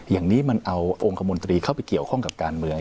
อย่างนี้มันเอาองค์คมนตรีเข้าไปเกี่ยวข้องกับการเมือง